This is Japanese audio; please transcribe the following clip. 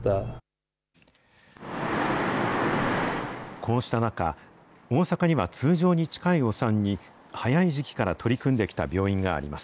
こうした中、大阪には、通常に近いお産に早い時期から取り組んできた病院があります。